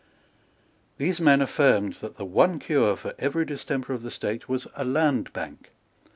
These men affirmed that the one cure for every distemper of the State was a Land Bank.